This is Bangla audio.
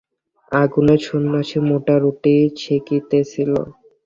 আগুনে সন্ন্যাসী মোটা রুটি সেকিতেছিল।